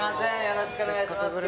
よろしくお願いします